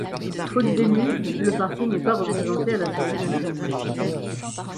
Faute d'élus, le parti n'est pas représenté à l'Assemblée nationale.